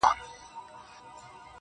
ملا صاحب دې گرځي بې ايمانه سرگردانه,